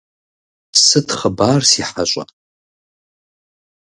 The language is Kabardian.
Сыт хъыбар, си хьэщӀэ?